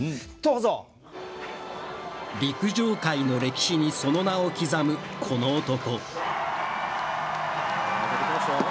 陸上界の歴史にその名を刻む、この男。